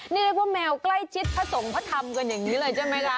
นี่ละพวกแมวกล้ายชิดภาทธรงษ์ภาษาธรรมกันอย่างนี้เลยใช่ไหมล่ะ